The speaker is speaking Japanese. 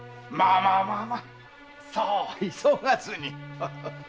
まあまあそう急がずに。